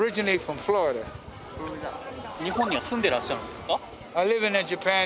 日本には住んでらっしゃるんですか？